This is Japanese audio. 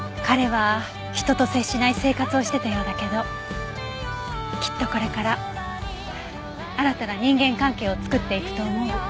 彼は人と接しない生活をしてたようだけどきっとこれから新たな人間関係を作っていくと思う。